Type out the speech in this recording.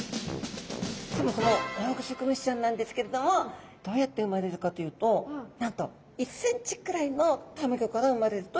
そもそもオオグソクムシちゃんなんですけれどもどうやって産まれるかというとなんと１ｃｍくらいのたまギョから産まれるといわれています。